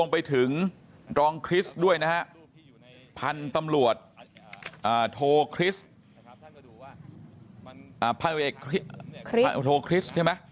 พันธโรโคริสท์ใช่ไหม